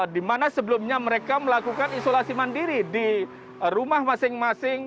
di mana sebelumnya mereka melakukan isolasi mandiri di rumah masing masing